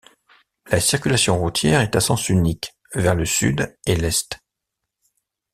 La circulation routière est à sens unique, vers le sud et l’est.